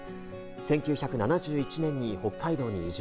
１９７１年に、北海道に移住。